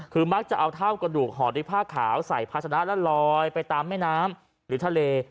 คือมักจะเอาเท่ากระดูกห่อด้วยผ้าขาวใส่ภาชนะแล้วลอยไปตามแม่น้ำหรือทะเล